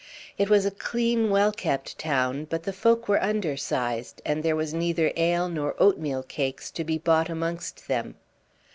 It was a clean, well kept town, but the folk were undersized, and there was neither ale nor oatmeal cakes to be bought amongst them.